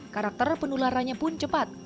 karakter penularannya pun cepat